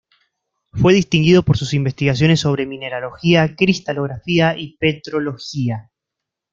Fue distinguido por sus investigaciones sobre mineralogía, cristalografía y petrología.